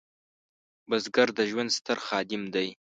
بزګر د ژوند ستر خادم دی